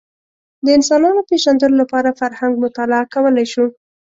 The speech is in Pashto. د انسانانو پېژندلو لپاره فرهنګ مطالعه کولی شو